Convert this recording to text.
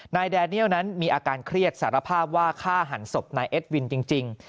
แดเนียลนั้นมีอาการเครียดสารภาพว่าฆ่าหันศพนายเอ็ดวินจริง